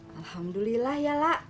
alhamdulillah ya lah